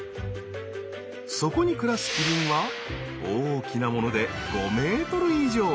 そこに暮らすキリンは大きなもので５ｍ以上。